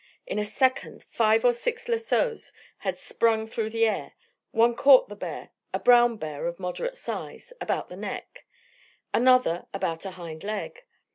In a second five or six lassos had sprung through the air. One caught the bear a brown bear of moderate size about the neck, another about a hind leg.